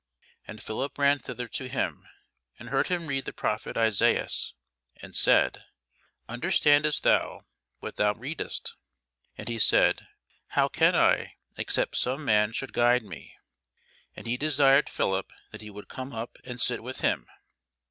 And Philip ran thither to him, and heard him read the prophet Esaias, and said, Understandest thou what thou readest? And he said, How can I, except some man should guide me? And he desired Philip that he would come up and sit with him.